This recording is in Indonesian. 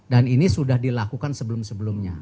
dan ini sudah dilakukan sebelum sebelumnya